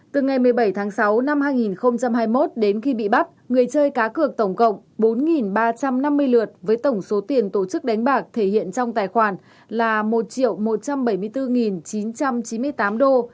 từ ngày một mươi bảy tháng sáu năm hai nghìn hai mươi một đến khi bị bắt người chơi cá cược tổng cộng bốn ba trăm năm mươi lượt với tổng số tiền tổ chức đánh bạc thể hiện trong tài khoản là một một trăm bảy mươi bốn chín trăm chín mươi tám đô